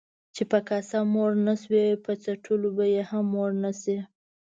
چي په کاسه موړ نسوې ، په څټلو به يې هم موړ نسې.